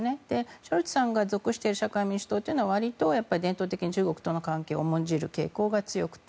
ショルツさんが属している社会民主党というのはわりと伝統的に中国との関係を重んじる傾向が強くて